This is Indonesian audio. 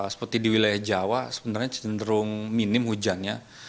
seperti di wilayah jawa sebenarnya cenderung minim hujannya